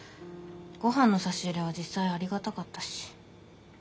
ごはんの差し入れは実際ありがたかったし。